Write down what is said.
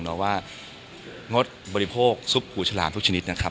แต่ว่างดบนิโภคซุภผู้ฉลามทุกชนิดนะครับ